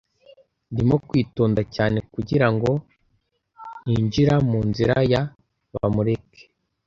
Ndimo kwitonda cyane kugirango ntinjira mu nzira ya Bamureke.